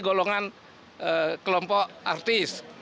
golongan kelompok artis